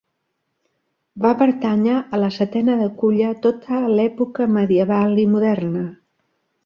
Va pertànyer a la setena de Culla tota l'època medieval i moderna.